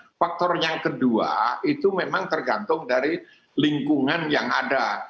nah faktor yang kedua itu memang tergantung dari lingkungan yang ada